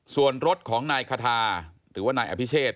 ส่วนรถของนายคาทาหรือว่านายอภิเชษ